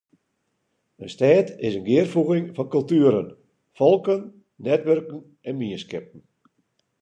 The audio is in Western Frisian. In stêd is in gearfoeging fan kultueren, folken, netwurken en mienskippen.